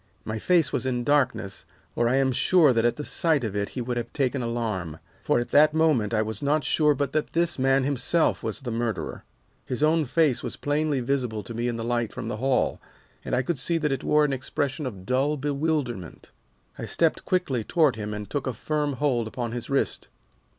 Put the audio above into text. "My face was in darkness, or I am sure that at the sight of it he would have taken alarm, for at that moment I was not sure but that this man himself was the murderer. His own face was plainly visible to me in the light from the hall, and I could see that it wore an expression of dull bewilderment. I stepped quickly toward him and took a firm hold upon his wrist.